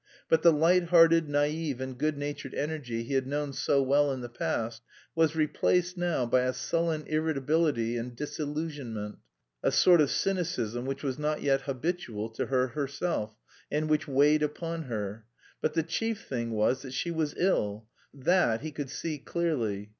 But the light hearted, naïve and good natured energy he had known so well in the past was replaced now by a sullen irritability and disillusionment, a sort of cynicism which was not yet habitual to her herself, and which weighed upon her. But the chief thing was that she was ill, that he could see clearly.